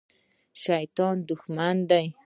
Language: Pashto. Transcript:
شیطان دښمن دی